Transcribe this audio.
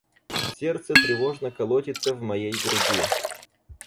Сердце тревожно колотится в моей груди.